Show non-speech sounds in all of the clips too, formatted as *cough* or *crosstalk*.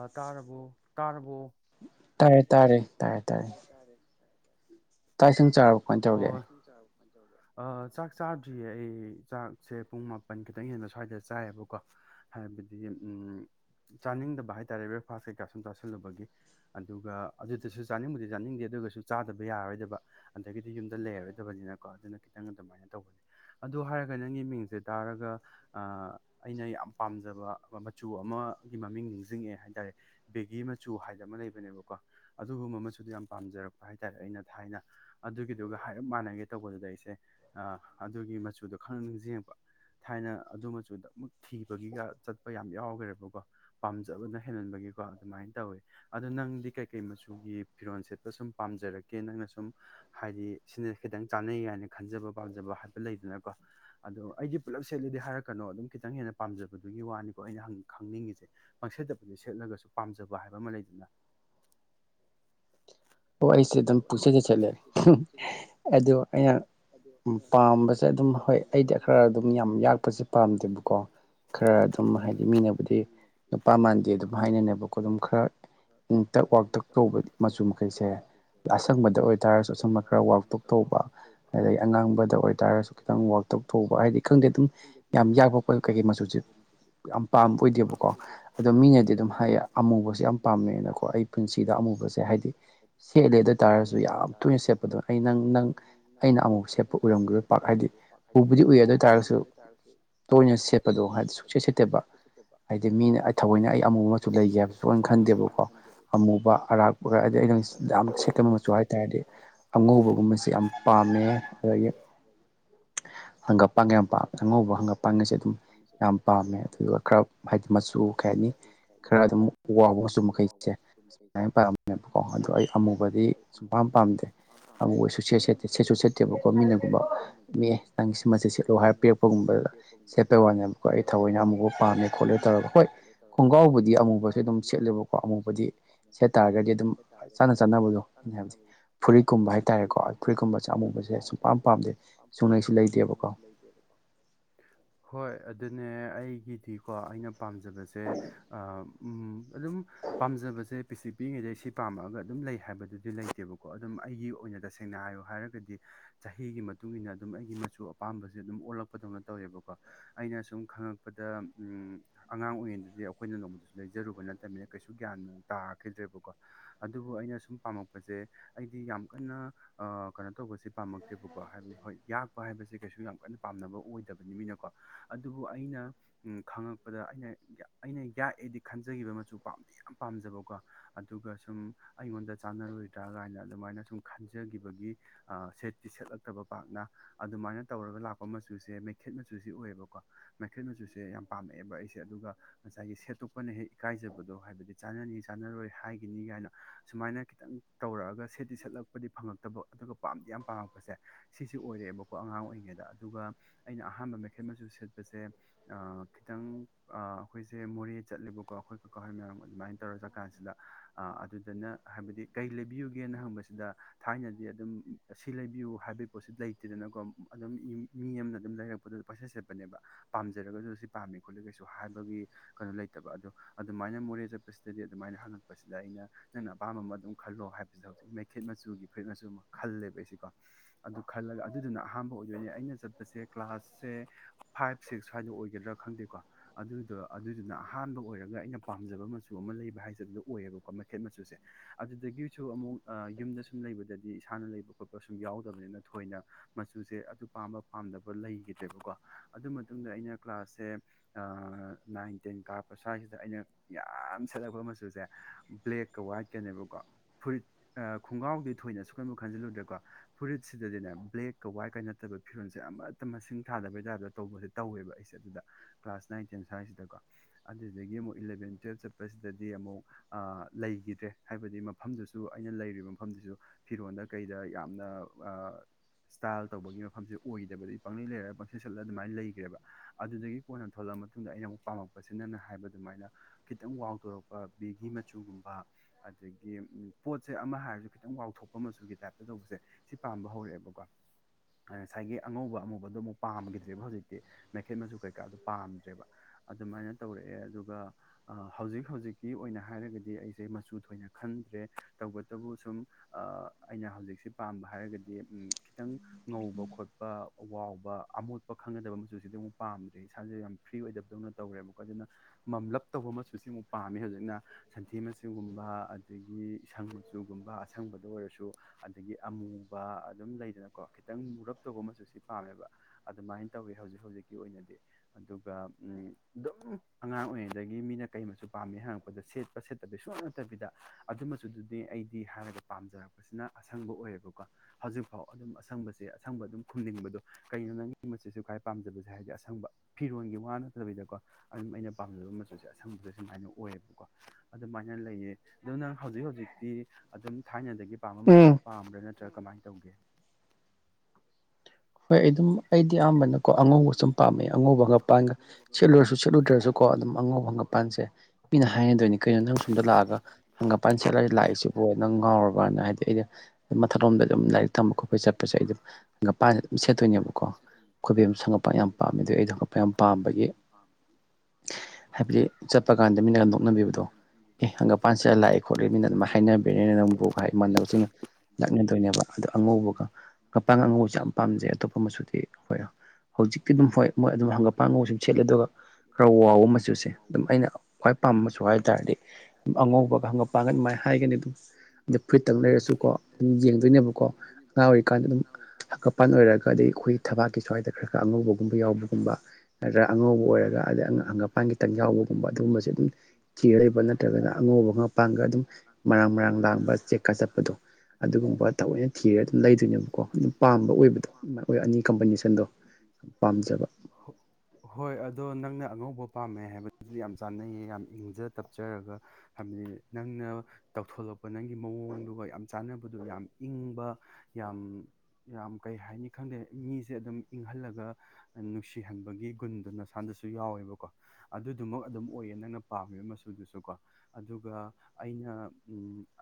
ꯑ ꯇꯥꯔꯕꯣ ꯇꯥꯔꯕꯣ꯫ ꯇꯔꯦ ꯇꯥꯔꯦ꯫ ꯇꯥꯔꯦ ꯇꯥꯔꯦ ꯆꯥꯛ ꯏꯁꯤꯡ ꯆꯥꯔꯕꯣ ꯀꯃꯥꯏ ꯇꯧꯒꯦ ꯑꯣ *unintelligible* ꯆꯥꯛ ꯆꯥꯗ꯭ꯔꯤꯌꯦ ꯑꯩ ꯆꯥꯛꯁꯦ ꯄꯨꯡ ꯃꯥꯄꯟ ꯈꯤꯇꯪ ꯍꯦꯟꯅ ꯁ꯭ꯋꯥꯏꯗ ꯆꯥꯏꯌꯦꯕꯀꯣ꯫ ꯍꯥꯏꯕꯗꯤ ꯎꯝ ꯆꯥꯅꯤꯡꯗꯕ ꯍꯥꯏꯇꯥꯔꯦ ꯕ꯭ꯔꯦꯛꯐꯥꯁ ꯀꯩꯀꯥ ꯁꯨꯝ ꯆꯥꯁꯤꯜꯂꯨꯕꯒꯤ꯫ ꯑꯗꯨꯒ ꯑꯗꯨꯗꯁꯨ ꯆꯥꯅꯤꯡꯕꯗꯤ ꯆꯥꯅꯤꯡꯗꯦ ꯑꯗꯨꯒꯁꯨ ꯆꯥꯗꯕ ꯌꯥꯔꯔꯣꯏꯗꯕ ꯑꯗꯒꯤꯗꯤ ꯌꯨꯝꯗ ꯂꯩꯔꯔꯣꯏꯗꯕꯅꯤꯅꯀꯣ ꯑꯗꯨꯅ ꯈꯤꯇꯪ ꯑꯗꯨꯃꯥꯏꯅ ꯇꯧꯕꯅꯦ꯫ ꯑꯗꯨ ꯍꯥꯏꯔꯒ ꯅꯪꯒꯤ ꯃꯤꯡꯁꯦ ꯇꯥꯔꯒ꯫ ꯑꯩꯅ ꯌꯥꯝ ꯄꯥꯝꯖꯕ ꯃꯆꯨ ꯑꯃꯒꯤ ꯃꯃꯤꯡ ꯅꯤꯡꯁꯤꯡꯉꯦ ꯍꯥꯏ ꯇꯔꯦ꯫ ꯕꯦꯒꯤ ꯃꯆꯨ ꯍꯥꯏꯗꯅ ꯑꯃ ꯂꯩꯕꯅꯦꯕꯀꯣ꯫ ꯑꯗꯨꯒꯨꯝꯕ ꯑꯃꯁꯨꯗꯤ ꯌꯥꯝ ꯄꯥꯝꯖꯔꯛꯄ ꯍꯥꯏꯇꯥꯔꯦ ꯑꯩꯅ ꯊꯥꯏꯅ꯫ ꯑꯗꯨꯒꯤꯗꯨꯒ ꯍꯥꯏꯔꯞ ꯃꯥꯟꯅꯒꯦ ꯇꯧꯕꯗꯨꯗ ꯑꯩꯁꯦ ꯑꯗꯨꯒꯤ ꯃꯆꯨꯗꯣ ꯈꯪ ꯅꯤꯡꯁꯤꯡꯕ꯫ ꯊꯥꯏꯅ ꯑꯗꯨ ꯃꯆꯨꯗ ꯑꯃꯨꯛ ꯊꯤꯕꯒꯤꯒ ꯆꯠꯄ ꯌꯥꯝ ꯌꯥꯎꯈ꯭ꯔꯦꯕꯀꯣ꯫ ꯄꯥꯝꯖꯕꯅ ꯍꯦꯟꯃꯟꯕꯒꯤꯀꯣ ꯑꯗꯨꯃꯥꯏꯅ ꯇꯧꯋꯤ꯫ ꯑꯗꯣ ꯅꯪꯗꯤ ꯀꯩꯀꯩ ꯃꯆꯨꯒꯤ ꯐꯤꯔꯣꯟ ꯁꯦꯠꯄ ꯁꯨꯝ ꯄꯥꯝꯖꯔꯛꯀꯦ ꯅꯪꯅ ꯁꯨꯝ ꯍꯥꯏꯗꯤ ꯁꯤꯅ ꯈꯤꯇꯪ ꯆꯥꯅꯩ ꯍꯥꯏꯥꯏꯅ ꯈꯟꯖꯕ ꯄꯥꯝꯖꯕ ꯍꯥꯏꯕ ꯂꯩꯗꯅꯀꯣ꯫ ꯑꯗꯣ ꯑꯩꯗꯤ ꯄꯨꯂꯞ ꯁꯦꯠꯂꯤꯗꯤ ꯍꯥꯏꯔꯛꯀꯅꯣ ꯑꯗꯨꯝ ꯈꯤꯇꯪ ꯍꯦꯟꯅ ꯄꯥꯝꯖꯕꯗꯨꯒꯤ ꯋꯥꯅꯤꯀꯣ ꯑꯩꯅ ꯈꯪꯅꯤꯡꯉꯤꯁꯦ꯫ ꯃꯪꯁꯦꯠꯇꯕꯨꯗꯤ ꯁꯦꯠꯂꯒꯁꯨ ꯄꯥꯝꯖꯕ ꯍꯥꯏꯕ ꯑꯃ ꯂꯩꯗꯅ ꯑꯣ ꯑꯩꯁꯦ ꯑꯗꯨꯝ ꯄꯨꯆ ꯆꯠꯂꯦ ꯎꯝ ꯑꯗꯣ ꯑꯩꯅ ꯎꯝ ꯄꯥꯝꯕꯁꯦ ꯑꯗꯨꯝ ꯍꯣꯏ ꯑꯩꯗꯤ ꯈꯔ ꯑꯗꯨꯝ ꯌꯥꯝ ꯌꯥꯛꯄꯁꯦ ꯄꯥꯝꯗꯦꯕꯀꯣ꯫ ꯈꯔ ꯑꯗꯨꯝ ꯍꯥꯏꯗꯤ ꯃꯤꯅꯕꯨꯗꯤ ꯅꯨꯄꯥ ꯃꯥꯟꯗꯤ ꯑꯗꯨꯝ ꯍꯥꯏꯅꯅꯦꯅꯕꯀꯣ ꯑꯗꯨꯝ ꯈꯔ ꯏꯪꯇꯛ ꯃꯤ ꯋꯥꯛꯇꯛ ꯇꯧꯕ ꯃꯆꯨ ꯃꯈꯩꯁꯦ꯫ ꯑꯁꯪꯕꯗ ꯑꯣꯏꯇꯥꯔꯁꯨ ꯑꯁꯨꯝꯕ ꯈꯔ ꯋꯥꯛ ꯇꯧ ꯇꯧꯕ ꯑꯗꯒꯤ ꯑꯉꯥꯡꯕꯗ ꯑꯣꯏꯇꯥꯔꯁꯨ ꯈꯤꯇꯪ ꯋꯥꯛ ꯇꯧꯊꯣꯕ ꯍꯥꯏꯗꯤ ꯈꯪꯗꯦ ꯑꯗꯨꯝ ꯌꯥꯝ ꯌꯥꯛꯄ ꯀꯩꯀꯩ ꯃꯆꯨꯁꯦ ꯌꯥꯝ ꯄꯥꯝꯕ ꯑꯣꯏꯗꯦꯕꯀꯣ ꯑꯗꯣ ꯃꯤꯅꯗꯤ ꯑꯗꯨꯝ ꯍꯥꯏꯌꯦ ꯑꯃꯨꯕꯁꯦ ꯌꯥꯝ ꯄꯥꯝꯅꯩꯅꯀꯣ ꯑꯩ ꯄꯨꯟꯁꯤꯗ ꯑꯃꯨꯕꯁꯦ ꯍꯥꯏꯗꯤ ꯌꯥꯏ꯫ ꯁꯦꯒꯂꯦꯗꯠ ꯇꯥꯔꯁꯨ ꯌꯥꯝ ꯇꯣꯏꯅ ꯁꯦꯠꯄꯗ ꯑꯩ ꯅꯪ ꯅꯪ ꯑꯩꯅ ꯑꯃꯨꯛ ꯁꯦꯠꯄ ꯎꯔꯝꯕ ꯄꯥꯛ ꯍꯥꯏꯗꯤ꯫ ꯎꯕꯨꯗꯤ ꯎꯏ ꯑꯗꯣꯏ ꯇꯥꯔꯒꯁꯨ ꯆꯥꯔꯁꯨ꯫ ꯇꯣꯏꯅ ꯁꯦꯠꯄꯗꯣ ꯍꯥꯏꯗꯤ ꯁꯨꯡꯁꯦꯠ ꯁꯦꯠꯇꯦꯕ ꯍꯥꯏꯗꯤ ꯃꯤꯅ ꯑꯩ ꯊꯑꯣꯏꯅ ꯑꯩ ꯑꯃꯨ ꯑꯃꯁꯨ ꯂꯩꯒꯦ ꯍꯥꯏꯕ ꯁꯨꯅ ꯈꯟꯗꯦꯕꯀꯣ ꯑꯃꯨꯕ ꯑꯔꯥꯥꯛꯄꯒ ꯑꯗꯤ ꯑꯩꯩꯅꯪ ꯌꯥꯝ ꯁꯦꯠꯀꯕ ꯃꯆꯨ ꯍꯥꯏꯦ ꯇꯔꯗꯤ ꯑꯉꯧꯕꯒꯨꯝꯕꯁꯤ ꯌꯥꯝ ꯄꯥꯝꯃꯦ ꯑꯗꯒꯤ ꯍꯪꯒꯞꯄꯥꯡꯒ ꯌꯥꯝ ꯄꯥꯝꯃꯦ ꯑꯉꯧꯕ ꯍꯪꯒꯄꯥꯡꯒꯁꯦ ꯑꯗꯨꯝ ꯌꯥꯝ ꯄꯥꯝꯃꯦ ꯑꯗꯨꯒꯗꯨ ꯈꯔ ꯍꯥꯏꯗꯤ ꯃꯆꯨ ꯀꯩ ꯍꯥꯏꯅꯤ ꯈꯔ ꯑꯗꯨꯝ ꯋꯥꯕ ꯃꯆꯨ ꯃꯈꯩꯁꯦꯅ ꯄꯥꯝꯃꯦꯕ꯫ ꯑꯣ ꯑꯗꯨ ꯑꯩ ꯑꯃꯨꯕꯗꯤ ꯁꯨꯡ ꯄꯥꯝ ꯄꯥꯝꯗꯦ ꯑꯃꯨꯕꯁꯨ ꯁꯦꯠ ꯁꯦꯠꯇꯦ ꯁꯦꯠꯁꯨ ꯁꯦꯠꯇꯦꯕꯀꯣ ꯃꯤꯅꯒꯨꯝꯕ ꯑꯦ ꯅꯪꯁꯤꯃ *unintelligible* ꯍꯥꯏꯔꯞ ꯄꯤꯔꯛꯄꯒꯨꯝꯕꯗ ꯁꯦꯠꯄꯩ ꯋꯥꯅꯦꯕꯀꯣ ꯑꯩ ꯊꯑꯣꯏꯅ ꯑꯃꯨꯕꯥ ꯄꯥꯝꯃꯦ ꯈꯣꯠꯂꯦ ꯇꯧꯔꯒ ꯍꯣꯏ ꯈꯣꯡꯒꯥꯎꯕꯨꯗꯤ ꯑꯃꯨꯕꯁꯨ ꯑꯗꯨꯝ ꯁꯦꯠꯂꯦꯕꯀꯣ ꯑꯃꯨꯕꯗꯤ ꯁꯦꯠ ꯇꯥꯔꯒꯗꯤ ꯑꯗꯨꯝ ꯆꯥꯟꯗ ꯆꯥꯟꯅꯕꯗꯣ ꯍꯥꯏꯕꯗꯤ ꯐꯨꯔꯤꯠꯀꯨꯝꯕ ꯍꯥꯏꯇꯥꯔꯦꯀꯣ ꯐꯨꯔꯤꯠꯀꯨꯝꯕ ꯁꯦ ꯑꯃꯨꯕꯁꯦ ꯁꯨꯡ ꯄꯥꯝ ꯄꯥꯝꯗꯦ ꯁꯨꯡꯂꯩꯁꯨ ꯂꯩꯇꯦꯕꯀꯣ ꯍꯣꯏ ꯑꯗꯨꯅꯦ ꯑꯩꯒꯤꯗꯤꯀꯣ ꯑꯩꯅ ꯄꯥꯝꯖꯕꯁꯦ ꯑ ꯎꯝ ꯑꯗꯨꯝ ꯄꯥꯝꯖꯕꯁꯦ ꯄꯤꯁꯛ ꯄꯤꯛꯉꯩꯗꯩ ꯁꯤ ꯄꯥꯝꯃꯛꯑꯒ ꯑꯗꯨꯝ ꯂꯩ ꯍꯥꯏꯕꯗꯨꯗꯤ ꯂꯩꯇꯦꯕꯀꯣ ꯑꯗꯨꯝ ꯑꯩꯒꯤ ꯑꯣꯏꯅ ꯇꯁꯦꯡꯅ ꯍꯥꯏꯌꯣ ꯍꯥꯏꯔꯒꯗꯤ ꯆꯍꯤꯒꯤ ꯃꯇꯨꯡ ꯃꯇꯨꯡꯏꯟꯅ ꯑꯗꯨꯝ ꯑꯩꯒꯤ ꯃꯆꯨ ꯑꯄꯥꯝꯕꯁꯦ ꯑꯗꯨꯝ ꯑꯣꯜꯂꯛꯄꯗꯧꯅ ꯇꯧꯋꯦꯕꯀꯣ ꯑꯩꯅ ꯁꯨꯝ ꯈꯪꯉꯛꯄꯗ ꯎꯝ ꯑꯉꯥꯡ ꯑꯣꯏꯔꯤꯉꯩꯗꯗꯤ ꯑꯩꯈꯣꯏꯅ ꯅꯣꯡꯃꯇꯁꯨ ꯂꯩꯖꯔꯨꯕ ꯅꯠꯇꯕꯅꯤꯅ ꯀꯩꯁꯨ ꯒ꯭ꯌꯥꯟ ꯇꯥꯔꯛꯈꯤꯗ꯭ꯔꯦꯕꯀꯣ ꯑꯗꯨꯕꯨ ꯑꯩꯅ ꯁꯨꯝ ꯄꯥꯝꯃꯛꯄꯁꯦ ꯑꯩꯗꯤ ꯌꯥꯝ ꯀꯟꯅ ꯀꯩꯅꯣ ꯇꯧꯕꯁꯦ ꯄꯥꯝꯃꯛꯇꯦꯕꯀꯣ ꯍꯥꯏꯕꯗꯤ ꯍꯣꯏ ꯌꯥꯛꯄ ꯍꯥꯏꯕꯁꯦ ꯀꯩꯁꯨ ꯌꯥꯝ ꯀꯟ ꯄꯥꯝꯅꯕ ꯑꯣꯏꯗꯕꯅꯤ ꯃꯤꯅꯀꯣ ꯑꯗꯨꯕꯨ ꯑꯩꯅ ꯎꯝ ꯈꯪꯉꯛꯄꯗ ꯑꯩꯅ ꯑꯩꯅ ꯌꯥꯛꯑꯦꯗꯤ ꯈꯟꯖꯈꯤꯕ ꯃꯆꯨ ꯄꯥꯝꯗꯤ ꯌꯥꯝ ꯄꯥꯝꯖꯕꯀꯣ ꯑꯗꯨꯒ ꯁꯨꯝ ꯑꯩꯉꯣꯟꯗ ꯆꯥꯟꯅꯔꯣꯏꯗ꯭ꯔꯥ ꯀꯥꯏꯅ ꯑꯗꯨꯃꯥꯏꯅ ꯁꯨꯝ ꯈꯟꯖꯒꯤꯕꯒꯤ ꯑ ꯁꯦꯠꯇꯤ ꯁꯦꯠꯂꯛꯇꯕ ꯄꯥꯛꯅ ꯑꯗꯨꯃꯥꯏꯅ ꯇꯧꯔꯒ ꯂꯥꯛ ꯄ ꯃꯆꯨꯁꯦ ꯃꯩꯈꯦꯠ ꯃꯆꯨꯁꯦ ꯑꯣꯏꯌꯦꯕꯀꯣ ꯃꯩꯈꯦꯠ ꯃꯆꯨꯁꯦ ꯌꯥꯝ ꯄꯥꯝꯃꯛꯑꯦꯕ ꯑꯩꯁꯦ ꯑꯗꯨꯒ ꯉꯁꯥꯏꯒꯤ ꯁꯦꯠꯇꯣꯛꯄꯅ ꯍꯦꯛ ꯏꯀꯥꯏꯖꯕꯗꯣ ꯍꯥꯏꯕꯗꯤ ꯆꯥꯅꯅꯤ ꯆꯥꯅꯔꯣꯏ ꯍꯥꯏꯒꯤꯅꯤ ꯀꯥꯏꯅ ꯁꯨꯃꯥꯏꯅ ꯈꯤꯇꯪ ꯇꯧꯔꯛꯑꯒ ꯁꯦꯠꯇꯤ ꯁꯦꯠꯂꯛꯄꯗꯤ ꯐꯪꯉꯛꯇꯕ ꯑꯗꯨꯒ ꯄꯥꯝꯗꯤ ꯌꯥꯝ ꯄꯥꯝꯃꯛꯄꯁꯦ ꯁꯤꯁꯦ ꯑꯣꯏꯔꯛꯑꯦꯕꯀꯣ ꯑꯉꯥꯡ ꯑꯣꯏꯔꯤꯉꯩꯗ ꯑꯗꯨꯒ ꯑꯩꯅ ꯑꯍꯥꯟꯕ ꯃꯩꯈꯦꯠ ꯃꯆꯨ ꯁꯦꯠꯄꯁꯦ ꯑꯥ ꯈꯤꯇꯪ ꯑꯥ ꯑꯩꯈꯣꯏꯁꯦ ꯃꯣꯔꯦ ꯆꯠꯂꯦꯕꯀꯣ ꯑꯩꯈꯣꯏ ꯀꯀꯥ ꯍꯣꯏ ꯃꯌꯥꯝ ꯑꯗꯨꯃꯥꯏꯅ ꯇꯧꯔ ꯆꯠ ꯀꯥꯟꯁꯤꯗ ꯑꯥ ꯑꯗꯨꯗꯅ ꯍꯥꯏꯕꯗꯤ ꯀꯩ ꯂꯩꯕꯤꯌꯨꯒꯦꯅ ꯍꯪꯕꯁꯤꯗ ꯊꯥꯏꯅꯗꯤ ꯑꯗꯨꯝ ꯁꯤ ꯂꯩꯕꯤꯌꯨ ꯍꯥꯏꯕꯒꯤ ꯄꯣꯠꯁꯤ ꯂꯩꯇꯦꯗꯅꯀꯣ ꯑꯗꯨꯝ ꯃꯤ ꯑꯃꯅ ꯑꯗꯨꯝ ꯂꯩꯔꯛꯄꯗꯨꯗ ꯄꯪꯁꯦꯠ ꯁꯦꯠꯄꯅꯦꯕ ꯄꯥꯝꯖꯔꯒꯁꯨ ꯁꯤ ꯄꯥꯝꯃꯤ ꯈꯣꯠꯂꯤ ꯀꯩꯁꯨ ꯍꯥꯏꯕꯒꯤ ꯀꯩꯅꯣ ꯂꯩꯇꯕ ꯑꯗꯣ ꯑꯗꯨꯃꯥꯏꯅ ꯃꯣꯔꯦ ꯆꯠꯄꯁꯤꯗꯗꯤ ꯑꯗꯨꯃꯥꯏꯅ ꯍꯪꯉꯛꯄꯁꯤꯗ ꯑꯩꯅ ꯅꯪꯅ ꯑꯄꯥꯝꯕ ꯑꯃ ꯑꯗꯨꯝ ꯈꯜꯂꯣ ꯍꯥꯏꯕ ꯁꯤꯗ ꯍꯧꯖꯤꯛ ꯃꯩꯈꯦꯠ ꯃꯆꯨꯒꯤ ꯐꯨꯔꯤꯠ ꯃꯆꯨ ꯑꯃ ꯈꯜꯂꯦꯕ ꯑꯩꯁꯤ ꯀꯣ ꯑꯗꯨ ꯈꯜꯂꯒ ꯑꯗꯨꯗꯨꯅ ꯑꯍꯥꯟꯕ ꯑꯣꯏꯗꯣꯏꯅꯤ ꯑꯩꯅ ꯆꯠꯄꯁꯦ ꯀ꯭ꯂꯥꯁꯁꯦ ꯐꯥꯏꯚ ꯁꯤꯛꯁ ꯁ꯭ꯋꯥꯏꯗ ꯑꯣꯏꯒꯗ꯭ꯔꯥ ꯈꯪꯗꯦꯀꯣ ꯑꯗꯨꯗꯣ ꯑꯗꯨꯗꯨꯅ ꯑꯍꯥꯟꯕ ꯑꯣꯏꯔꯒ ꯑꯩꯅ ꯄꯥꯝꯖꯕ ꯃꯆꯨ ꯑꯃ ꯂꯩꯕ ꯍꯥꯏꯖꯦ ꯑꯗꯨꯗ ꯑꯣꯏꯌꯦꯕꯀꯣ ꯃꯩꯈꯦꯠ ꯃꯆꯨꯁꯦ ꯑꯗꯨꯗꯒꯤꯁꯨ ꯑꯃꯨꯛ ꯌꯨꯝꯗ ꯑ ꯁꯨꯝ ꯂꯩꯕꯗꯗꯤ ꯏꯁꯥꯅ ꯂꯩꯕ ꯈꯣꯠꯄ ꯁꯨꯝ ꯌꯥꯎꯗꯕꯅꯤꯅ ꯊꯣꯏꯅ ꯃꯆꯨꯁꯦ ꯑꯗꯨ ꯄꯥꯝꯕ ꯄꯥꯝꯗꯕ ꯂꯩꯒꯤꯗꯦꯕꯀꯣ ꯑꯗꯨ ꯃꯇꯨꯡꯗ ꯑꯩꯅ ꯀ꯭ꯂꯥꯁꯁꯦ ꯑ ꯅꯥꯏꯟ ꯇꯦꯟ ꯀꯥꯔꯛꯄ ꯁ꯭ꯋꯥꯏꯁꯤꯗ ꯑꯩꯅ ꯌꯥꯝ ꯁꯦꯠꯂꯛꯄ ꯃꯆꯨꯁꯦ ꯕ꯭ꯂꯦꯛꯀ ꯋꯥꯏꯠꯀꯅꯦꯕꯀꯣ ꯐꯨꯔꯤꯠ ꯑ ꯈꯨꯡꯒꯥꯎꯗꯤ ꯊꯣꯏꯅ ꯁꯨꯈꯟꯕꯨ ꯈꯟꯖꯤꯜꯂꯨꯗ꯭ꯔꯦꯀꯣ ꯐꯨꯔꯤꯠꯁꯤꯗꯗꯤꯅꯦ ꯕ꯭ꯂꯦꯛꯀ ꯋꯥꯏꯠꯀ ꯅꯠꯇꯕ ꯐꯤꯔꯣꯜꯁꯦ ꯑꯃꯠꯇ ꯃꯁꯤꯡ ꯊꯥꯗꯕꯩ ꯇꯥꯏꯕꯇ ꯇꯧꯕꯁꯦ ꯇꯧꯋꯦꯕ ꯑꯩꯁꯦ ꯑꯗꯨꯗ ꯀ꯭ꯂꯥꯁ ꯅꯥꯏꯟ ꯇꯦꯟ ꯁ꯭ꯋꯥꯏꯁꯤꯗꯀꯣ ꯑꯗꯨꯗꯒꯤ ꯑꯃꯨꯛ ꯏꯂꯚꯦꯟ ꯇꯨꯋꯦꯜꯞ ꯆꯠꯄꯁꯤꯗꯗꯤ ꯑꯃꯨꯛ ꯑꯥ ꯂꯩꯈꯤꯗ꯭ꯔꯦ ꯍꯥꯏꯕꯗꯤ ꯃꯐꯝꯗꯨꯁꯨ ꯑꯩꯅ ꯂꯩꯔꯤꯕ ꯃꯐꯝꯗꯨꯁꯨ ꯐꯤꯔꯣꯜꯗ ꯀꯩꯗ ꯌꯥꯝꯅ ꯑ ꯏꯁꯇꯥꯏꯜ ꯇꯧꯕꯒꯤ ꯃꯐꯝꯁꯦ ꯑꯣꯏꯗꯕꯗꯒꯤ ꯄꯪꯂꯩ ꯂꯩꯔꯒ ꯄꯪꯁꯦꯠ ꯁꯦꯠꯂ ꯑꯗꯨꯃꯥꯏꯅ ꯂꯩꯈꯒ꯭ꯔꯦꯕ ꯑꯗꯨꯗꯒꯤ ꯀꯣꯟꯅ ꯊꯣꯛꯂꯛꯑ ꯃꯇꯨꯡꯗ ꯑꯩꯅ ꯑꯃꯨꯛ ꯄꯥꯝꯃꯛ ꯕꯁꯤ ꯅꯪꯅ ꯍꯥꯏꯕ ꯑꯗꯨꯃꯥꯏꯅ ꯈꯤꯇꯪ ꯋꯥꯎꯗꯔꯛꯄ ꯕꯦꯒꯤ ꯃꯆꯨꯒꯨꯝꯕ ꯑꯗꯒꯤ ꯄꯣꯠꯁꯦ ꯑꯃ ꯍꯥꯏꯔꯁꯨ ꯈꯤꯇꯪ ꯋꯥꯎꯊꯣꯛꯄ ꯃꯆꯨꯒꯤ ꯇꯥꯏꯞꯇ ꯇꯧꯕꯁꯦ ꯁꯤ ꯄꯥꯝꯕ ꯍꯧꯔꯛꯑꯦꯕꯀꯣ ꯉꯁꯥꯏꯒꯤ ꯑꯉꯧꯕ ꯑꯃꯨꯕꯗꯣ ꯑꯃꯨꯛ ꯄꯥꯝꯒꯤꯗ꯭ꯔꯦꯕ ꯍꯧꯖꯤꯛꯇꯤ ꯃꯩꯈꯩꯠ ꯃꯆꯨ ꯀꯩꯀꯥꯗꯣ ꯄꯥꯝꯗ꯭ꯔꯦꯕ ꯑꯗꯨꯃꯥꯏꯅ ꯇꯧꯔꯛꯑꯦ ꯑꯗꯨꯒ ꯍꯧꯖꯤꯛ ꯍꯧꯖꯤꯛꯀꯤ ꯑꯣꯏꯅ ꯍꯥꯏꯔꯒꯗꯤ ꯑꯩꯁꯦ ꯃꯆꯨ ꯊꯣꯏꯅ ꯈꯟꯗ꯭ꯔꯦ ꯇꯧꯕꯇꯕꯨ ꯁꯨꯝ ꯑ ꯑꯩꯅ ꯍꯧꯖꯤꯛꯁꯦ ꯄꯥꯝꯕ ꯍꯥꯏꯔꯒꯗꯤ ꯈꯤꯇꯪ ꯉꯧꯕ ꯈꯣꯠꯄ ꯋꯥꯎꯕ ꯑꯃꯣꯠꯄ ꯈꯪꯒꯗꯕ ꯃꯆꯨꯁꯤꯗꯤ ꯑꯃꯨꯛ ꯄꯥꯝꯗ꯭ꯔꯦ ꯏꯁꯥꯥꯁꯦ ꯌꯥꯝ ꯐ꯭ꯔꯤ ꯑꯣꯏꯗꯕꯗꯧꯅ ꯇꯧꯋꯦꯕꯀꯣ ꯑꯗꯨꯅ ꯃꯝꯂꯞ ꯇꯧꯕ ꯃꯆꯨꯁꯤ ꯑꯃꯨꯛ ꯄꯥꯝꯃꯤ ꯍꯧꯖꯤꯛꯅ ꯁꯟꯊꯤ ꯃꯆꯨꯒꯨꯝꯕ ꯑꯗꯒꯤ ꯏꯁꯪ ꯃ ꯆꯨꯒꯨꯝꯕ ꯑꯁꯪꯕꯗ ꯑꯣꯏꯔꯁꯨ ꯑꯗꯒꯤ ꯑꯃꯨꯕ ꯑꯗꯨꯝ ꯂꯩꯗꯅꯀꯣ ꯈꯤꯇꯪ ꯃꯨꯔꯞ ꯇꯧꯕ ꯃꯆꯨꯁꯤ ꯄꯥꯝꯃꯦꯕ ꯑꯗꯨꯃꯥꯏꯅ ꯇꯧꯋꯤ ꯍꯧꯖꯤꯛ ꯍꯧꯖꯤꯛ ꯍꯧꯖꯤꯛꯀꯤ ꯑꯣꯏꯅꯗꯤ ꯑꯗꯨꯒ ꯎꯝ ꯑꯗꯨꯝ ꯑꯉꯥꯡ ꯑꯣꯏꯔꯤꯉꯩꯗꯒꯤ ꯃꯤꯅ ꯀꯩ ꯃꯁꯨ ꯄꯥꯝꯃꯤ ꯍꯪꯉꯛ ꯄꯗ ꯁꯦꯠꯄ ꯁꯦꯠꯇꯕꯤ ꯁꯨꯡ ꯅꯠꯇꯕꯤꯗ ꯑꯗꯨ ꯃꯆꯨꯗꯨꯗꯤ ꯑꯩꯗꯤ ꯍꯥꯏꯔꯒ ꯄꯥꯝꯖꯔꯛꯄ ꯁꯤꯅ ꯑꯁꯪꯕ ꯑꯣꯏꯌꯦꯕꯀꯣ ꯍꯧꯖꯤꯛꯐꯥꯎ ꯑꯗꯨꯝ ꯑꯁꯪꯕꯁꯦ ꯑꯁꯪꯕ ꯑꯗꯨꯝ ꯈꯨꯝꯅꯤꯡꯕꯗꯣ ꯀꯩꯅꯣ ꯅꯪꯒꯤ ꯃꯆꯨꯁꯦ ꯈ꯭ꯋꯥꯏ ꯄꯥꯝꯖꯕꯁꯦ ꯍꯥꯏꯗꯤ ꯑꯁꯪꯕ ꯐꯤꯔꯣꯟꯒꯤ ꯋꯥ ꯅꯠꯇꯕꯤꯗꯀꯣ ꯑꯗꯨꯝ ꯑꯩꯅ ꯄꯥꯝꯖꯕ ꯃꯆꯨꯁꯦ ꯑꯁꯪꯕꯗ ꯁꯨꯃꯥꯏꯅ ꯑꯣꯏꯌꯦꯕꯀꯣ ꯑꯗꯨꯃꯥꯏꯅ ꯂꯩꯌꯦ ꯑꯗꯣ ꯅꯪ ꯍꯧꯖꯤꯛ ꯍꯧꯖꯤꯛꯇꯤ ꯑꯗꯨꯝ ꯊꯥꯏꯅꯗꯒꯤ ꯄꯥꯝꯕ ꯃꯆꯨꯗꯣ ꯎꯝ ꯄꯥꯝꯕ꯭ꯔꯥ ꯅꯠꯇ꯭ꯔꯥ ꯀꯃꯥꯏꯅ ꯇꯧꯒꯦ *inaudible* ꯍꯣꯏ ꯑꯗꯨꯝ ꯑꯩꯗꯤ ꯑꯌꯥꯝꯕꯅꯀꯣ ꯑꯉꯧꯕ ꯁꯨꯝ ꯄꯥꯝꯃꯦ ꯑꯉꯧꯕ ꯍꯪꯒꯄꯥꯟꯒ ꯁꯦꯠꯂꯨꯔꯁꯨ ꯁꯦꯠꯂꯨꯗ꯭ꯔꯁꯨꯀꯣ ꯑꯗꯨꯝ ꯑꯉꯧꯕ ꯍꯪꯒ ꯃꯄꯥꯟꯁꯦ ꯃꯤꯅ ꯍꯥꯏꯅꯗꯣꯏꯅꯤ ꯀꯩꯅꯣ ꯅꯪ ꯁꯣꯝꯗ ꯂꯥꯛꯑꯒ ꯍꯪꯒꯥꯄꯥꯟ ꯁꯦꯠꯂ ꯂꯥꯛꯏꯁꯤ ꯅꯪ ꯉꯥꯎꯔꯕꯅ ꯍꯥꯏꯗꯤ ꯑꯩꯅ ꯃꯊꯛꯂꯣꯝꯗ ꯑꯗꯨꯝ ꯂꯥꯏꯔꯤꯛ ꯇꯝꯕ ꯈꯣꯠꯄ ꯆꯠꯄꯁꯦ ꯑꯩ ꯑꯗꯨꯝ ꯃꯥꯏꯗ ꯑꯗꯨꯝ ꯁꯦꯠꯇꯣꯏꯅꯦꯕꯀꯣ ꯈꯣꯏꯕꯦꯝꯃꯁꯨ ꯍꯪꯒꯥꯄꯥꯟ ꯌꯥꯝ ꯄꯥꯝꯃꯦ ꯑꯗꯨ ꯑꯩꯗꯣ ꯍꯪꯒꯥꯄꯟ ꯌꯥꯝ ꯄꯥꯝꯕꯒꯤ ꯍꯥꯏꯕꯗꯤ ꯆꯠꯄ ꯀꯥꯟꯗ ꯃꯤꯅꯒ ꯅꯣꯛꯅꯕꯤꯕꯗꯣ ꯑꯦ ꯍꯪꯒ ꯄꯥꯟꯁꯤꯂ ꯂꯥꯛꯑꯦ ꯈꯣꯠꯂꯤꯕꯅꯤꯅ ꯑꯗꯨꯝ ꯍꯥꯏꯅꯕꯤ꯭ꯔꯅꯤꯅ ꯅꯪꯕꯨꯒ ꯍꯥꯏ ꯃꯥꯟꯅꯕꯁꯤꯡꯅ ꯅꯛꯅꯗꯣꯏꯅꯦꯕ ꯑꯗꯣ ꯑꯉꯧꯕꯒ ꯀꯄ ꯉꯉꯧꯕꯁꯦ ꯌꯥꯝ ꯄꯥꯝꯖꯩ ꯑꯇꯣꯞꯄ ꯃꯆꯨꯗꯤ ꯑꯩꯈꯣꯏ ꯍꯧꯖꯤꯛꯇꯤ ꯑꯗꯨꯝ ꯍꯣꯏ ꯃꯣꯏ ꯑꯗꯨꯝ ꯍꯪꯒꯞ ꯄꯥꯡꯒ ꯁꯨꯝ ꯁꯦꯠꯂꯦ ꯑꯗꯨꯒ ꯈꯔ ꯋꯥꯕ ꯃꯆꯨꯁꯦ ꯑꯗꯨꯝ ꯑꯩꯅ ꯈ꯭ꯋꯥꯏ ꯄꯥꯝꯝꯕꯁꯨ ꯍꯥꯏ ꯇꯥꯔꯗꯤ ꯑꯗꯨ ꯑꯉꯧꯕꯒ ꯍꯪꯒꯄꯥꯡꯒ ꯑꯗꯨꯃꯥꯏꯅ ꯍꯥꯏꯒꯅꯤ ꯑꯗꯨꯝ ꯑ ꯐꯨꯔꯤꯠꯇ ꯑꯃ ꯂꯩꯔꯁꯨꯀꯣ ꯑꯗꯨꯝ ꯌꯦꯡꯗꯣꯏꯅꯦꯕꯀꯣ ꯑꯉꯥꯡ ꯑꯣꯏꯔꯤꯀꯥꯟꯗ ꯑꯗꯨꯝ ꯀ ꯃꯄꯥꯟꯜ ꯑꯣꯏꯔꯒ ꯑꯗ ꯑꯩꯈꯣꯏ ꯊꯕꯛꯀꯤ ꯁ꯭ꯋꯥꯏꯗ ꯈꯔ ꯈꯔ ꯑꯉꯧꯕꯒꯨꯝꯕ ꯌꯥꯎꯕ ꯅꯠꯇ꯭ꯔꯒ ꯑꯉꯧꯕ ꯑꯣꯏꯔꯒ ꯑꯗꯩ ꯑꯄꯥꯟ ꯈꯤꯇꯪ ꯌꯥꯎꯕꯒꯨꯝꯕ ꯑꯗꯨꯒꯨꯝꯕꯁꯦ ꯑꯗꯨꯝ ꯊꯤꯔ ꯂꯩꯕ ꯅꯠꯇ꯭ꯔꯒꯅ ꯑꯉꯧꯕ ꯉꯥꯛꯄꯥꯡꯒ ꯑꯗꯨꯝ ꯃꯔꯥꯡ ꯃꯔꯥꯡ ꯂꯥꯡꯕ ꯃꯔꯥꯡ ꯆꯦꯛꯀ ꯆꯠꯄꯗꯣ ꯂꯥꯛꯄ ꯆꯦꯛꯀ ꯆꯠꯄꯗꯣ ꯑꯗꯨꯒꯨꯝꯕ ꯇꯑꯣꯏꯅ ꯊꯤꯔꯒ ꯑꯗꯨꯒꯨꯝꯕ ꯑꯗꯨꯝ ꯇꯧ ꯂꯩꯗꯣꯏꯅꯦꯕꯀꯣ ꯑꯗꯨꯝ ꯄꯥꯝꯕ ꯑꯣꯏꯕ ꯂꯩꯗꯅ ꯄꯥꯝꯕ ꯑꯅꯤ ꯑꯣꯏꯕꯗꯣ ꯀꯝꯕꯤꯅꯦꯁꯟꯗꯣ ꯌꯥꯝ ꯄꯥꯝꯖꯕ ꯑ ꯍꯣꯏ ꯑꯗꯣ ꯅꯪꯅ ꯑꯉꯧꯕ ꯄꯥꯝꯃꯦ ꯍꯥꯏꯕꯗꯨꯗꯤ ꯌꯥꯝ ꯆꯥꯟꯅꯩꯌꯦ ꯌꯥꯝ ꯏꯪꯖ ꯇꯞꯆꯔꯒ ꯅꯪꯅ ꯇꯧꯊꯣꯂꯛꯄ ꯅꯪꯒꯤ ꯃꯑꯣꯡꯗꯨꯒ ꯌꯥꯝ ꯆꯥꯟꯅꯕꯗꯨ ꯌꯥꯝ ꯏꯪꯕ ꯌꯥꯝ ꯌꯥꯝ ꯀꯩ ꯍꯥꯏꯅꯤ ꯈꯪꯗꯦ ꯃꯤꯁꯦ ꯑꯗꯨꯝ ꯏꯪꯍꯜꯂꯒ ꯅꯨꯡꯁꯤꯍꯟꯕꯒꯤ ꯒꯨꯟꯗꯨ ꯅꯁꯥꯟꯗꯁꯨ ꯌꯥꯎꯋꯦꯕꯀꯣ ꯑꯗꯨꯗꯨꯃꯛ ꯑꯗꯨꯝ ꯑꯣꯏꯌꯦ ꯅꯪꯅ ꯄꯥꯝꯃꯤꯕ ꯃꯆꯨꯗꯨꯁꯨ ꯀꯣ ꯑꯗꯨꯒ ꯑꯩꯅ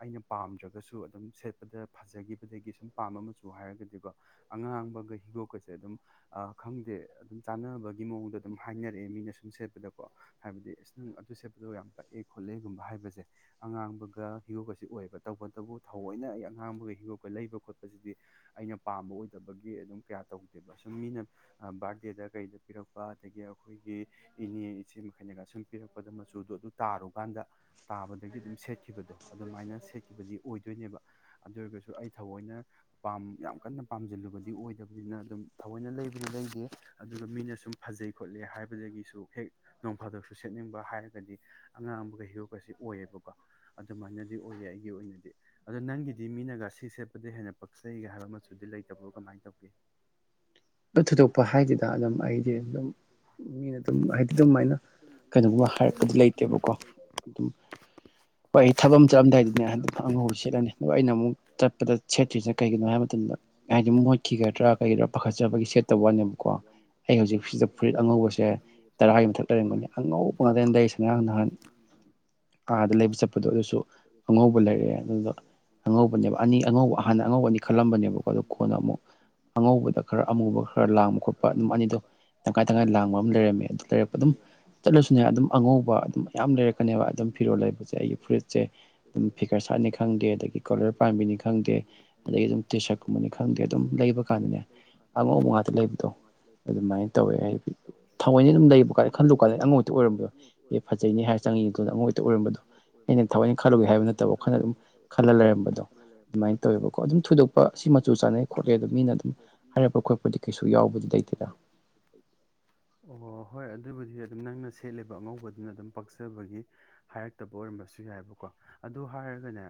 ꯑꯩꯅ ꯄꯥꯝꯗ꯭ꯔꯒꯁꯨ ꯑꯗꯨꯝ ꯁꯦꯠꯄꯗ ꯐꯖꯈꯤꯕꯗꯒꯤ ꯁꯨꯝ ꯄꯥꯝꯕ ꯑꯃꯁꯨ ꯍꯥꯏꯔꯒꯗꯤꯀꯣ ꯑꯉꯥꯡꯕꯒ ꯍꯤꯗꯣꯛꯀꯁꯦ ꯑꯗꯨꯝ ꯑ ꯈꯪꯗꯦ ꯑꯗꯨꯝ ꯆꯥꯟꯅꯕꯒꯤ ꯃꯑꯣꯡꯗ ꯑꯗꯨꯝ ꯍꯥꯏꯅꯔꯛꯑꯦ ꯃꯤꯅ ꯁꯨꯝ ꯁꯦꯠꯄꯗꯀꯣ ꯍꯥꯏꯕꯗꯤ ꯑꯁ ꯅꯪ ꯑꯗꯨ ꯁꯦꯠꯄꯗꯣ ꯌꯥꯝ ꯄꯛꯑꯦ ꯈꯣꯠꯂꯦꯒꯨꯝꯕ ꯍꯥꯏꯕꯁꯦ ꯑꯉꯥꯡꯕꯒ ꯍꯤꯔꯣꯒꯁꯤ ꯑꯣꯏꯑꯕ ꯇꯧꯕꯇꯕꯨ ꯊꯑꯣꯏꯅ ꯑꯩ ꯑꯉꯥꯡꯕꯒ ꯍꯤꯔꯣꯛꯒ ꯂꯩꯕ ꯈꯣꯠꯄ ꯁꯤꯗꯤ ꯑꯩꯅ ꯄꯥꯝꯕ ꯑꯣꯏꯗꯕꯒꯤ ꯑꯗꯨꯝ ꯀꯌꯥ ꯇꯧꯗꯦꯕ ꯁꯨꯝ ꯃꯤꯅ ꯕꯥꯔꯗꯦꯗ ꯀꯩꯗ ꯄꯤꯔꯛꯄ ꯑꯗꯒꯤ ꯑꯩꯈꯣꯏꯒꯤ ꯏꯅꯦ ꯏꯆꯦ ꯃꯈꯩꯅꯒ ꯁꯨꯝ ꯄꯤꯔꯛꯄꯗ ꯃꯆꯨꯗꯣ ꯑꯗꯨ ꯇꯥꯔꯨꯀꯥꯟꯗ ꯇꯥꯕꯗꯒꯤ ꯑꯗꯨꯝ ꯁꯦꯠꯈꯤꯕꯗꯣ ꯑꯗꯨꯃꯥꯏꯅ ꯁꯦꯠꯈꯤꯕꯗꯤ ꯑꯣꯏꯗꯣꯏꯅꯦꯕ ꯑꯗꯨ ꯑꯣꯏꯔꯒꯁꯨ ꯑꯩ ꯊꯑꯣꯏꯅ ꯄꯥꯝ ꯌꯥꯝ ꯀꯟꯅ ꯄꯥꯝꯁꯤꯜꯂꯨꯕꯗꯤ ꯑꯣꯏꯗꯕꯅꯤꯅ ꯑꯗꯨꯝ ꯊꯑꯣꯏꯅ ꯂꯩꯕꯨꯗꯤ ꯂꯩꯇꯦ ꯑꯗꯨꯒ ꯃꯤꯅ ꯁꯨꯝ ꯐꯖꯩ ꯈꯣꯠꯂꯦ ꯍꯥꯏꯕꯗꯒꯤꯁꯨ ꯍꯦꯛ ꯅꯣꯡ ꯐꯥꯗꯁꯨ ꯁꯦꯠꯅꯤꯡꯕ ꯍꯥꯏꯔꯒꯗꯤ ꯑꯉꯥꯡꯕꯒ ꯍꯤꯔꯣꯛꯀꯁꯤ ꯑꯣꯏꯌꯦꯕꯀꯣ ꯑꯗꯨꯃꯥꯏꯅꯗꯤ ꯑꯣꯏꯌꯦ ꯑꯩꯒꯤ ꯑꯣꯏꯅꯗꯤ ꯑꯗꯣ ꯅꯪꯒꯤꯗꯤ ꯃꯤꯅꯒꯁꯤ ꯁꯦꯠꯄꯗ ꯍꯦꯟꯅ ꯄꯛꯆꯩꯒ ꯍꯥꯏꯕ ꯃꯁꯨꯗꯤ ꯂꯩꯇꯕ꯭ꯔꯣ ꯀꯃꯥꯏꯅ ꯇꯧꯒꯦ *inaudible* ꯍꯥꯏꯗꯦꯗ ꯑꯗꯨꯝ ꯑꯩꯗꯤ ꯑꯗꯨꯝ ꯃꯤꯅ ꯑꯗꯨꯝ ꯍꯥꯏꯗꯤ ꯑꯗꯨꯝꯃꯥꯏꯅ ꯀꯩꯅꯣꯒꯨꯝꯕ ꯍꯥꯏꯔꯛꯄꯗꯤ ꯂꯩꯇꯦ ꯇꯦꯕꯀꯣ ꯑꯗꯨꯝ ꯍꯣꯏ ꯑꯩ ꯊꯕꯛ ꯑꯃ ꯆꯠꯂꯝꯝꯗꯥꯏꯗꯗꯤꯅꯦ ꯑꯗꯨꯝ ꯑꯉꯧꯕ ꯁꯦꯠꯂꯅꯤ ꯑꯗꯣ ꯑꯩꯅ ꯑꯃꯨꯛ ꯆꯠꯄꯗ ꯁꯦꯠꯇ꯭ꯔꯤꯁꯤꯅ ꯀꯩꯒꯤꯅꯣ ꯍꯥꯏꯕ ꯃꯇꯝꯗ ꯍꯥꯏꯗꯤ ꯃꯣꯠꯈꯤꯒꯗ꯭ꯔꯥ ꯀꯩꯗ꯭ꯔꯥ ꯄꯈꯥꯠꯆꯕꯒꯤ ꯁꯦꯠꯇ ꯋꯥꯅꯦꯁꯀꯣ ꯑꯩ ꯍꯧꯖꯤꯛꯁꯤ ꯐꯨꯔꯤꯠ ꯑꯉꯧꯕꯁꯦ ꯇꯔꯥꯒꯤ ꯃꯊꯛ ꯂꯩꯔꯝꯒꯅꯤ ꯑꯉꯧꯕ ꯉꯛꯇꯅꯦ ꯂꯩꯔꯤꯁꯦ꯫ ꯉꯔꯥꯡ ꯅꯍꯥꯟ *unintelligible* ꯑꯥꯗ ꯂꯩꯕ ꯆꯠꯄꯗꯣ ꯑꯗꯨꯁꯨ ꯑꯉꯧꯕ ꯂꯩꯔꯛꯑꯦ ꯑꯗꯨꯗ ꯑꯉꯧꯕꯅꯦꯕ ꯑꯅꯤ ꯑꯉꯧꯕ ꯑꯍꯥꯟꯅ ꯑꯉꯧꯕ ꯑꯅꯤ ꯈꯜꯂꯝꯕꯅꯦꯕꯀꯣ ꯑꯗꯣ ꯀꯣꯟꯅ ꯑꯃꯨꯛ ꯑꯉꯧꯕꯗ ꯈꯔ ꯑꯃꯨꯕ ꯈꯔ ꯂꯥꯡꯕ ꯈꯣꯠꯄ ꯑꯗꯨꯝ ꯑꯅꯤꯗꯣ ꯇꯪꯈꯥꯏ ꯇꯪꯉꯥꯏ ꯂꯥꯡꯕ ꯑꯃ ꯂꯩꯔꯝꯃꯦ ꯑꯗꯨ ꯂꯩꯔꯛꯄ ꯑꯗꯨꯝ ꯆꯠꯂꯁꯨꯅꯦ ꯑꯗꯨꯝ ꯑꯉꯧꯕ ꯑꯗꯨꯝ ꯃꯌꯥꯝ ꯂꯩꯔꯛꯀꯅꯦꯕ ꯑꯗꯨꯝ ꯐꯤꯔꯣꯜ ꯂꯩꯕꯁꯦ ꯑꯩꯒꯤ ꯐꯨꯔꯤꯠꯁꯦ ꯑꯗꯨꯝ ꯐꯤꯒꯔ ꯁꯥꯔꯠꯅꯤ ꯈꯪꯗꯦ ꯑꯗꯒꯤ ꯀꯣꯂꯔ ꯄꯥꯟꯕꯤꯅꯤ ꯈꯪꯗꯦ ꯑꯗꯒꯤ ꯑꯗꯨꯝ ꯇꯤ ꯁꯥꯔꯠ ꯀꯨꯝꯕꯅꯤ ꯈꯪꯗꯦ ꯑꯗꯨꯝ ꯂꯩꯕ ꯀꯟꯗꯅꯦ ꯑꯉꯧꯕ ꯉꯥꯛ ꯂꯩꯕꯗꯣ ꯑꯗꯨꯃꯥꯏꯅ ꯇꯧꯋꯦ ꯍꯥꯏꯗꯤ ꯊꯑꯣꯏꯅ ꯑꯗꯨꯝ ꯂꯩꯕ ꯈꯜꯂꯨ ꯀꯟꯗꯥꯗꯤ ꯑꯉꯧꯕꯥ ꯍꯦꯛꯇꯥ ꯑꯣꯏꯔꯝꯕꯗꯣ ꯑꯦ ꯐꯖꯩꯅꯦ ꯍꯥꯏꯔ ꯆꯪꯉ ꯌꯦꯟꯒꯨ ꯀꯟꯗ ꯑꯉꯧꯕ ꯍꯦꯛꯇ ꯑꯣꯏꯔꯝꯕꯗꯣ ꯑꯩꯅ ꯊꯑꯣꯏ ꯈꯜꯂꯨꯒꯦ ꯍꯥꯏꯕ ꯅꯠꯇꯕ ꯋꯥꯈꯜꯅ ꯑꯗꯨꯝ ꯈꯜꯂ ꯂꯩꯔꯝꯕꯗꯣ ꯑꯗꯨꯃꯥꯏꯅ ꯇꯧꯋꯦꯕꯀꯣ ꯑꯗꯨꯝ ꯊꯣꯏꯗꯣꯛꯄ ꯑꯁꯤ ꯃꯆꯨ ꯆꯥꯟꯅꯩ ꯈꯣꯠꯂꯦ ꯑꯣ ꯃꯤꯅ ꯑꯗꯨꯝ ꯍꯥꯏꯔꯛꯄ ꯈ ꯈꯣꯠꯄꯗꯤ ꯀꯩꯁꯨ ꯌꯥꯎꯕꯗꯤ ꯂꯩꯇꯦꯗ ꯑꯣ ꯍꯣꯏ ꯑꯗꯨꯕꯨꯗꯤ ꯑꯗꯨꯝ ꯅꯪꯅ ꯁꯦꯠꯂꯤꯕ ꯑꯉꯧꯕꯗꯨꯅ ꯑꯗꯨꯝ ꯄꯥꯛꯆꯕꯒꯤ ꯍꯥꯏꯔꯛꯇꯕ ꯑꯣꯏꯔꯝꯕꯁꯨ ꯌꯥꯏꯕꯀꯣ ꯑꯗꯨ ꯍꯥꯏꯔꯒꯅꯦ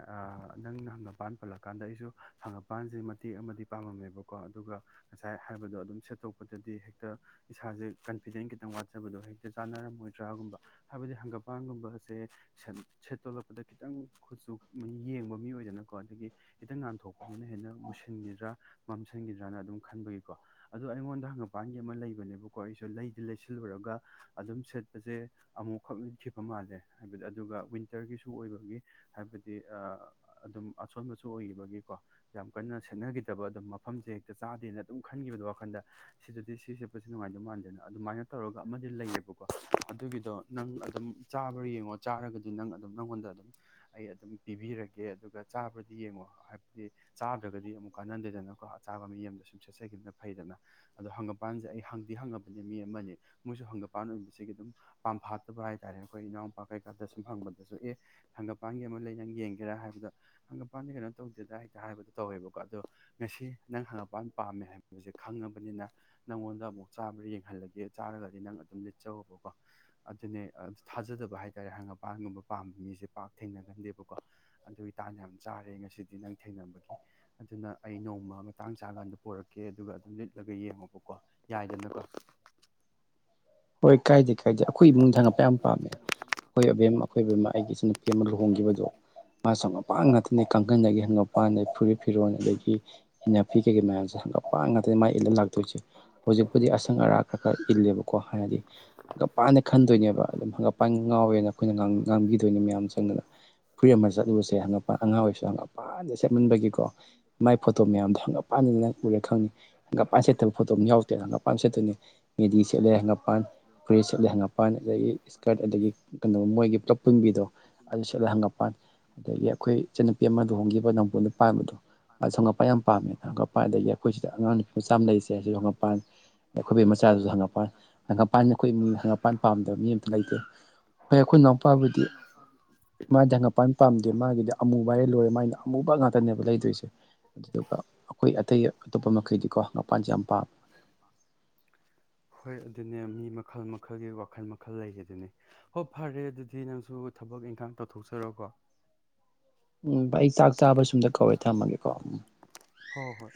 ꯅꯪꯅ ꯍꯪꯒꯄꯥꯟ ꯄꯜꯂꯀꯥꯟꯗ ꯑꯩꯁꯨ ꯍꯥꯡꯉꯄꯥꯟꯁꯦ ꯃꯇꯦꯛ ꯑꯃꯗꯤ ꯄꯥꯝꯃꯝꯃꯦꯕꯀꯣ ꯑꯗꯨꯒ ꯉꯁꯥꯏ ꯍꯥꯏꯕꯗꯣ ꯑꯗꯨꯝ ꯁꯦꯠꯇꯣꯛꯄꯗꯗꯤ ꯍꯦꯛꯇ ꯏꯁꯥꯁꯦ ꯀꯟꯐꯤꯗꯦꯟ ꯈꯤꯇꯪ ꯋꯥꯠꯆꯕꯗꯣ ꯍꯦꯛꯇ ꯆꯥꯅꯔꯝꯃꯣꯏꯗ꯭ꯔꯥꯒꯨꯝꯕ ꯍꯥꯏꯕꯗꯤ ꯍꯪꯒꯥꯄꯥꯟꯒꯨꯝꯕ ꯑꯁꯦ ꯁꯦꯠꯇꯣꯂꯛꯄꯗ ꯈꯤꯇꯪ ꯈꯨꯠꯆꯨ ꯌꯦꯡꯕ ꯃꯤ ꯑꯣꯏꯗꯅꯀꯣ ꯑꯗꯒꯤ ꯈꯤꯇꯪ ꯉꯥꯥꯟꯊꯣꯛꯄꯅꯤꯅ ꯍꯦꯟꯅ ꯃꯨꯁꯤꯟꯈꯤꯗ꯭ꯔꯥ ꯃꯝꯁꯤꯟꯈꯤꯗ꯭ꯔꯅ ꯑꯗꯨꯝ ꯈꯟꯕꯒꯤꯀꯣ ꯑꯗꯣ ꯑꯩꯉꯣꯟꯗ ꯍꯪꯉꯄꯥꯟꯒꯤ ꯑꯃ ꯂꯩꯕꯅꯦꯕꯀꯣ ꯑꯩꯁꯨ ꯂꯩꯗꯤ ꯂꯩꯁꯤꯜꯂꯨꯔꯒ ꯑꯗꯨꯝ ꯁꯦꯠꯄꯁꯦ ꯑꯃꯨꯛꯈꯛ ꯂꯤꯠꯈꯤꯕꯥ ꯃꯥꯜꯂꯦ ꯍꯥꯏꯕꯗꯤ ꯑꯗꯨꯒ ꯋꯤꯟꯇꯔꯒꯤꯁꯨ ꯑꯣꯏꯕꯒꯤ ꯍꯥꯏꯕꯗꯤ ꯑ ꯑꯗꯨꯝ ꯑꯁꯣꯟꯕꯁꯨ ꯑꯣꯏꯈꯤꯕꯒꯤꯀꯣ ꯌꯥꯝ ꯀꯟꯅ ꯁꯦꯠꯅꯈꯤꯗꯕ ꯑꯗꯨꯝ ꯃꯐꯝꯁꯦ ꯍꯦꯛꯇ ꯆꯥꯗꯦꯅ ꯑꯗꯨꯝ ꯈꯟꯈꯤꯕꯗꯣ ꯋꯥꯈꯟꯗ ꯁꯤꯗꯗꯤ ꯁꯤ ꯁꯦꯠꯄꯁꯦ ꯅꯨꯡꯉꯥꯏꯗꯧ ꯃꯥꯟꯗꯦꯅ ꯑꯗꯨꯃꯥꯏꯅ ꯇꯧꯔꯒ ꯑꯃꯗꯤ ꯂꯩꯌꯦꯕꯀꯣ ꯑꯗꯨꯒꯤꯗꯣ ꯅꯪ ꯑꯗꯨꯝ ꯆꯥꯕ꯭ꯔꯥ ꯌꯦꯡꯉꯣ ꯆꯥꯔꯒꯗꯤ ꯅꯪ ꯑꯗꯨꯝ ꯅꯪꯉꯣꯟꯗ ꯑꯗꯨꯝ ꯑꯩ ꯑꯗꯨꯝ ꯄꯤꯕꯤꯔꯒꯦ ꯑꯗꯨꯒ ꯆꯥꯕꯗꯤ ꯌꯦꯡꯉꯣ ꯍꯥꯏꯕꯗꯤ ꯆꯥꯗ꯭ꯔꯒꯗꯤ ꯑꯃꯨꯛ ꯀꯥꯟꯅꯟꯗꯦꯗꯅꯀꯣ ꯑ ꯆꯥꯕ ꯃꯤ ꯑꯃꯗ ꯁꯨꯝ ꯁꯦꯠꯆꯈꯤꯕꯅ ꯐꯩꯗꯅ ꯑꯗꯣ ꯍꯪꯒꯄꯥꯟꯁꯦ ꯑꯩ ꯍꯪꯗꯤ ꯍꯪꯉꯕꯅꯤ ꯃꯤ ꯑꯃꯅꯤ ꯃꯣꯏꯁꯨ ꯍꯪꯒꯄꯥꯟ ꯑꯣꯏꯕꯁꯤꯒꯤ ꯑꯗꯨꯝ ꯄꯥꯝꯐꯥꯠꯇꯕ ꯍꯥꯏꯇꯥꯥꯔꯦ ꯑꯩꯈꯣꯏ ꯏꯅꯥꯎꯄꯥ ꯀꯩꯀꯥꯗ ꯁꯨꯝ ꯐꯪꯕꯗꯁꯨ ꯑꯦ ꯍꯪꯒꯄꯥꯟꯒꯤ ꯑꯃ ꯂꯩ ꯅꯪ ꯌꯦꯡꯒꯦꯔꯥ ꯍꯥꯏꯕꯗ ꯍꯪꯉꯄꯥꯟꯗꯤ ꯀꯩꯅꯣ ꯇꯧꯗꯦꯗ ꯍꯦꯛꯇ ꯍꯥꯏꯕꯗꯣ ꯇꯧꯋꯦꯕꯀꯣ ꯑꯗꯣ ꯉꯁꯤ ꯅꯪ ꯍꯪꯉꯄꯥꯟ ꯄꯥꯝꯃꯦ ꯍꯥꯏꯕꯁꯦ ꯈꯪꯉꯕꯅꯤꯅ ꯅꯪꯉꯣꯟꯗ ꯑꯃꯨꯛ ꯆꯥꯕ꯭ꯔꯥ ꯌꯦꯡꯍꯜꯂꯒꯦ ꯆꯥꯔꯒꯗꯤ ꯅꯪ ꯑꯗꯨꯝ ꯂꯤꯠꯆꯧꯑꯣꯕꯀꯣ ꯑꯗꯨꯅꯦ ꯊꯥꯖꯗꯕ ꯍꯥꯏ ꯇꯥꯔꯦ ꯍꯪꯒꯄꯥꯟꯒꯨꯝꯕ ꯄꯥꯝꯕ ꯃꯤꯁꯦ ꯄꯥꯛ ꯊꯦꯡꯅꯒꯟꯗꯦꯕꯀꯣ ꯑꯗꯨꯒꯤ ꯇꯥꯟ ꯌꯥꯝ ꯆꯥꯔꯦ ꯉꯁꯤꯗꯤ ꯅꯪ ꯊꯦꯡꯅꯕꯒꯤ ꯑꯗꯨꯅ ꯑꯩ ꯅꯣꯡꯃ ꯃꯇꯥꯡ ꯆꯥꯀꯥꯟꯗ ꯄꯣꯔꯛꯀꯦ ꯑꯗꯨꯒ ꯑꯗꯨꯝ ꯂꯤꯠꯂꯒ ꯌꯦꯡꯉꯣꯕꯀꯣ ꯌꯥꯏꯗꯅꯀꯣ ꯍꯣꯏ ꯀꯥꯏꯗꯦ ꯀꯩ ꯍꯥꯏꯗꯦ ꯑꯩꯈꯣꯏ ꯏꯨꯡꯗ ꯊꯪꯉꯛꯄ ꯌꯥꯝ ꯄꯥꯝꯃꯦ ꯑꯩꯈꯣꯏꯕꯦꯝ ꯑꯃ ꯑꯩꯈꯣꯏ ꯕꯦꯝꯃ ꯑꯩꯒꯤ ꯏꯆꯟꯅꯨꯄꯤ ꯑꯃ ꯂꯨꯍꯣꯡꯈꯤꯕꯗꯣ ꯃꯥꯁꯨ ꯍꯪꯒꯃꯄꯥꯡ ꯉꯥꯛꯇꯅꯤ ꯀꯥꯡꯒꯟꯗꯒꯤ ꯍꯪꯒꯥꯄꯟ ꯐꯨꯔꯤꯠ ꯐꯤꯔꯣꯟꯗꯒꯤ ꯀꯩꯗꯒꯤ ꯏꯟꯅꯐꯤ ꯀꯩꯀꯩ ꯃꯌꯥꯝꯁꯦ ꯍꯉꯥꯄꯥꯟ ꯃꯥꯥꯏ ꯏꯜꯂꯒ ꯂꯥꯛꯇꯣꯏꯁꯦ ꯍꯧꯖꯤꯛꯄꯨꯗꯤ ꯑꯁꯪ ꯑꯔꯥꯛ ꯈꯔ ꯈꯔ ꯏꯜꯂꯦꯕꯀꯣ ꯍꯥꯏ ꯍꯥꯏꯗꯤ ꯍꯪꯒꯞꯄꯥꯟꯁ ꯈꯟꯗꯣꯏꯅꯦꯕ ꯑꯗꯨꯝ ꯍꯪꯒꯄꯥꯟ ꯉꯥꯎꯋꯦꯅ ꯑꯩꯈꯣꯏꯅ ꯉꯥꯡꯕꯤꯗꯣꯏꯅꯤ ꯃꯌꯥꯝ ꯆꯪꯕꯅ ꯐꯨꯔꯤ ꯑꯃꯗ ꯆꯠꯂꯨꯁꯦ ꯌꯥꯝꯅ ꯑꯉꯥꯡ ꯑꯣꯏꯔꯁꯨ ꯌꯥꯝꯅꯄꯥꯟꯗ ꯁꯦꯠꯃꯟꯕꯒꯤꯀꯣ ꯃꯥꯏ ꯐꯣꯇꯣ ꯃꯌꯥꯝꯗꯣ ꯍꯪꯉꯞꯄꯥꯟꯗꯅ ꯎꯔꯦ ꯈꯪꯉꯤ ꯍꯪꯒꯞꯄꯥꯟ ꯁꯦꯠꯇꯕ ꯐꯣꯇꯣ ꯑꯃ ꯌꯥꯎꯗ꯭ꯔꯦꯅ ꯍꯪꯉꯞꯄꯥꯟ ꯁꯦꯠꯇꯣꯏꯅꯤ ꯃꯦꯗꯤ ꯁꯦꯠꯂꯦ ꯍꯪꯒꯄꯥꯟ ꯐ꯭ꯔꯦꯁ ꯁꯦꯠꯂꯦ ꯍꯪꯉꯄꯥꯟ ꯑꯗꯒꯤ ꯏꯁꯀꯔꯠ ꯑꯗꯒꯤ ꯀꯩꯅꯣ ꯃꯣꯏꯒꯤ ꯄꯨꯂꯞ ꯄꯨꯨꯟꯕꯤꯗꯣ ꯑꯗꯨꯁꯨꯠꯂ ꯍꯪꯉꯛꯄꯥꯟ ꯑꯗꯒꯤ ꯑꯩꯈꯣꯏ ꯏꯆꯟꯅꯨꯄꯤ ꯑꯃꯗ ꯍꯣꯡꯈꯤꯕ ꯅꯪꯕꯨꯣꯟꯅ ꯄꯥꯏꯕꯗꯣ ꯁꯣꯉꯠꯄ ꯌꯥꯝ ꯄꯥꯝꯃꯦꯅ ꯁꯣꯒꯠꯄ ꯑꯗꯒꯤ ꯑꯩꯈꯣꯏꯁꯤꯗ ꯑꯉꯥꯡ ꯅꯨꯄꯤ ꯃꯆꯥꯝ ꯂꯩꯔꯤꯁꯦ ꯑꯁꯤ ꯁꯣꯉꯞꯄ ꯑꯩꯈꯣꯏꯕ ꯃꯆꯥꯗꯨꯁꯨ ꯍꯪꯉꯛꯄꯅ꯫ ꯍꯪꯉꯝꯄꯥꯟ ꯑꯩꯈꯣꯏ ꯍꯪꯉꯝꯄꯥꯟ ꯄꯥꯝꯗꯕ ꯃꯤ ꯑꯝꯇ ꯂꯩꯇꯦ ꯍꯣꯏ ꯑꯩꯈꯣꯏ ꯏꯅꯥꯎꯄꯥꯕꯨꯗꯤ ꯃꯥꯗꯤ ꯍꯪꯉꯛꯄ ꯄꯥꯝꯗꯦ ꯃꯥꯒꯤꯗꯤ ꯑꯃꯨꯕ ꯍꯥꯏꯔ ꯂꯣꯏꯔꯦ ꯃꯥꯒꯤꯅ ꯑꯃꯨꯕ ꯉꯥꯛꯇꯅꯦꯕ ꯂꯩꯗꯣꯏꯁꯦ꯫ ꯑꯗꯨꯗꯨꯒ ꯑꯩꯈꯣꯏ ꯑꯇꯩ ꯑꯇꯣꯞꯄ ꯃꯈꯩꯗꯤꯀꯣ ꯃꯄꯥꯟꯁꯦ ꯌꯥꯝ ꯄꯥꯝꯃꯦ꯫ ꯍꯣꯏ ꯑꯗꯨꯅꯦ ꯃꯤ ꯃꯈꯜ ꯃꯈꯜꯒꯤ ꯋꯥꯈꯜ ꯃꯈꯜ ꯂꯩꯈꯤ ꯑꯗꯨꯅꯦ꯫ ꯍꯣꯏ ꯐꯔꯦ ꯑꯗꯨꯗꯤ ꯅꯪꯁꯨ ꯊꯕꯛ ꯏꯪꯈꯥꯡ ꯇꯧꯊꯣꯛꯆꯔꯣꯀꯣ꯫ ꯎꯝ ꯑꯩ ꯆꯥꯛ ꯆꯥꯕ ꯁꯨꯝꯗ ꯀꯧꯋꯦ ꯊꯝꯃꯒꯦꯀꯣ ꯍꯣꯏ